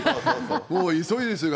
もう急いで、でも。